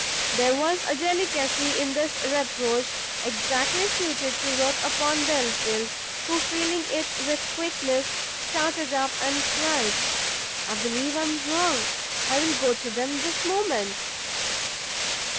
There was a delicacy in this reproach exactly suited to work upon Belfield, who feeling it with quickness, started up, and cried, "I believe I am wrong! I will go to them this moment!"